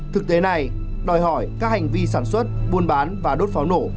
thực tế này đòi hỏi các hành vi sản xuất buôn bán và đốt pháo nổ